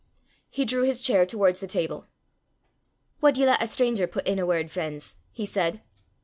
He drew his chair towards the table. "Wad ye lat a stranger put in a word, freen's?" he said.